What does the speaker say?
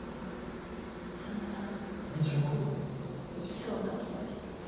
三々いきそうな気がします。